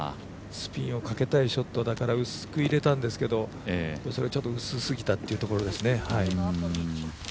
スピンをかけたいショットだから、薄く入れたんだけどそれがちょっと薄すぎたという感じですね。